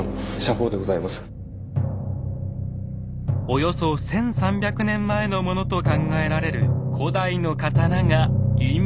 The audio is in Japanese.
およそ１，３００年前のものと考えられる古代の刀が今。